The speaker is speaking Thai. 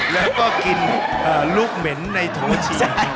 แล้วก็กินลูกเหม็นในโถชี